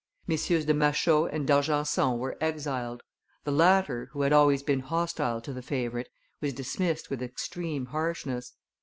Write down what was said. MM. de Machault and D'Argenson were exiled; the latter, who had always been hostile to the favorite, was dismissed with extreme harshness.